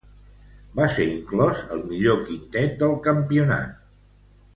Va ser inclòs al millor quintet del campionat.